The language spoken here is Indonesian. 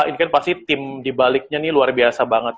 ini kan pasti tim dibaliknya ini luar biasa banget